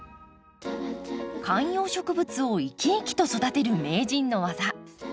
観葉植物を生き生きと育てる名人の技